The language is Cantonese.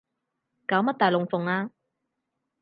搞乜大龍鳳啊